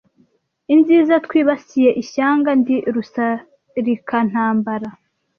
inziza twibasiye ishyanga ndi rusarikantambara